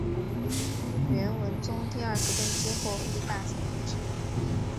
元文宗第二次登基后亦大兴文治。